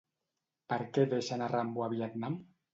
Per què deixen a Rambo a Vietnam?